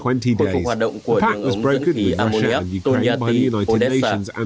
hội phục hoạt động của đảng ấn dẫn khí ammonia tô nha tý odessa